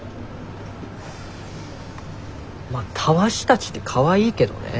まあたわしたちってかわいいけどね。